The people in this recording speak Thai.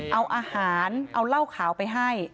เอาอาหารเอาเหล้าขาวไปให้